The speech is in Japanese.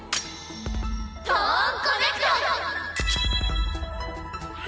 トーンコネクト！